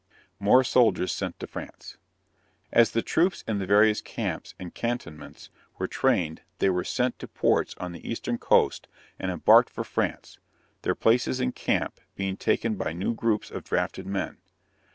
MORE SOLDIERS SENT TO FRANCE. As the troops in the various camps and cantonments were trained they were sent to ports on the eastern coast and embarked for France, their places in camp being taken by new groups of drafted men.